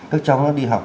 các cháu nó đi học